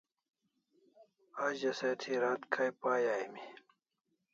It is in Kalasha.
A ze se thi rat kay pay aimi